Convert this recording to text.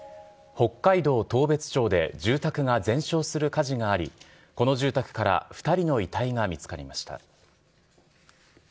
北海道当別町で、住宅が全焼する火事があり、この住宅から２人の遺体が見つかりました。